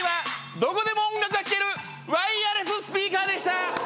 どこでも音楽が聴けるワイヤレススピーカーでした！